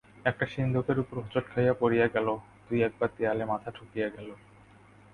একটা সিন্দুকের উপর হুঁচট খাইয়া পড়িয়া গেল, দুই-একবার দেয়ালে মাথা ঠুকিয়া গেল।